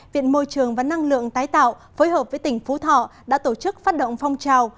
viện môi trường và năng lượng tái tạo phối hợp với tỉnh phú thọ đã tổ chức phát động phong trào